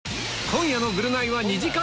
今夜の『ぐるナイ』は２時間